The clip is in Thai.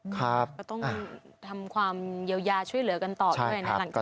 ก็ต้องทำความเยียวยาช่วยเหลือกันต่อด้วยนะครับ